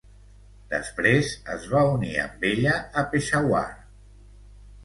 Després es va unir amb ella a Peshawar.